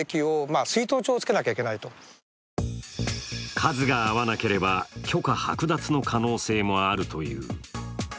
数が合わなければ許可剥奪の可能性もあるという。